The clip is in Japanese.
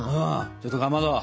ちょっとかまど！